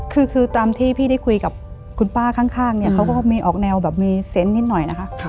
คือคือตามที่พี่ได้คุยกับคุณป้าข้างเนี่ยเขาก็มีออกแนวแบบมีเซนต์นิดหน่อยนะคะ